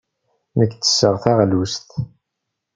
Nekk ttesseɣ taɣlust.